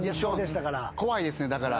怖いですねだから。